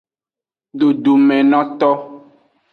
Dodomenoto.